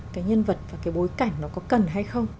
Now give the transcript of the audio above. cái nhân vật và cái bối cảnh nó có cần hay không